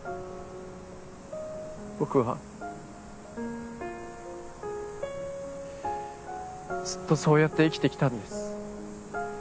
僕はずっとそうやって生きてきたんです。